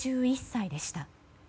６１歳でした。